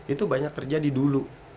itu banyak terjadi dulu